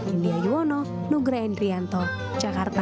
india yuwono nugra endrianto jakarta